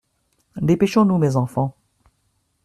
Dépêchons-nous, mes enfants !